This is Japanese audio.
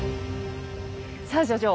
さあ所長